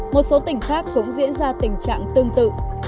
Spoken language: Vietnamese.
một số tỉnh khác cũng diễn ra tình trạng tương tự